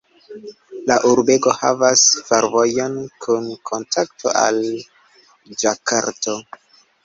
La urbego havas fervojon kun kontakto al Ĝakarto.